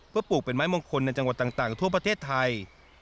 เพื่อปลูกเป็นไม้มงคลในจังหวัดต่างทั่วประเทศไทย